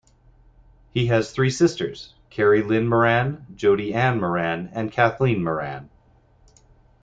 He has three sisters, Kari Lynn Moran, Jodi Anne Moran and Kathleen Moran.